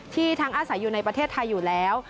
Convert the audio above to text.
ทั้งอาศัยอยู่ในประเทศไทยอยู่แล้ว